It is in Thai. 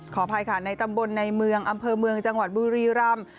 ขออภัยค่ะในตำบลในเมืองอำเภอเมืองจังหวัดบุรีรำ